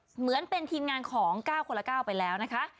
เหมือนเป็นทีมงานของ๙คนละ๙ไปแล้วนะคะ